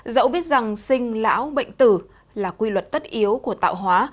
dẫu biết rằng sinh lão bệnh tử là quy luật tất yếu của tạo hóa